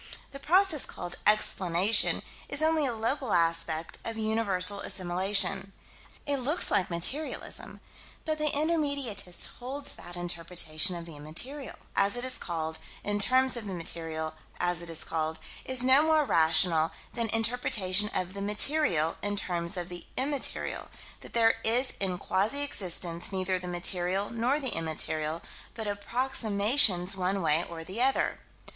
The process called "explanation" is only a local aspect of universal assimilation. It looks like materialism: but the intermediatist holds that interpretation of the immaterial, as it is called, in terms of the material, as it is called, is no more rational than interpretation of the "material" in terms of the "immaterial": that there is in quasi existence neither the material nor the immaterial, but approximations one way or the other.